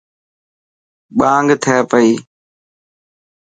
ٻانگ ٿي پئي.